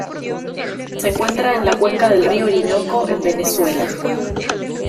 Se encuentra en la cuenca del río Orinoco en Venezuela.